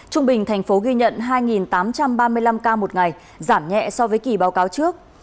trung bình thành phố ghi nhận hai tám trăm ba mươi năm ca một ngày giảm nhẹ so với kỳ báo cáo trước